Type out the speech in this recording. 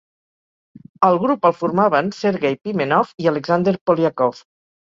El grup el formaven Sergei Pimenov i Alexander Polyakov.